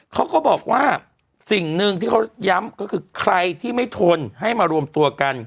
เขาก็บอกว่าสิ่งหนึ่งที่เขาย้ำก็คือใครที่ไม่ทนให้มารวมตัวกัน